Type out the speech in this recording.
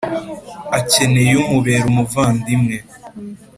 akeneyeumubera umuvandimwe,